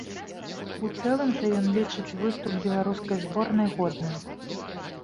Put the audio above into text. У цэлым жа ён лічыць выступ беларускай зборнай годным.